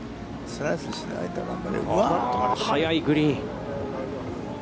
速いグリーン。